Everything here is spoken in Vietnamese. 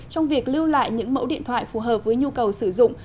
trong việc lưu lại những mẫu điện thoại phù hợp với nhu cầu sử dụng